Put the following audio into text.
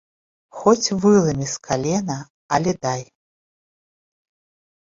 Хоць выламі з калена, але дай.